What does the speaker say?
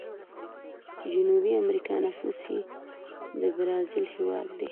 جنوبي امريکا نفوس یې د برازیل هیواد دی.